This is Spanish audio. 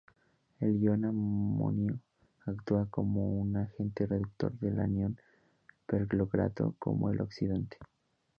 El ion amonio actúa como un agente reductor, el anión perclorato como el oxidante.